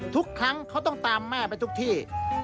ทุกครั้งเขาต้องตามแม่ไปทุกที่